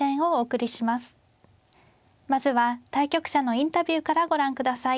まずは対局者のインタビューからご覧ください。